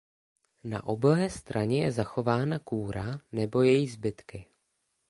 Na oblé straně je zachována kůra nebo její zbytky.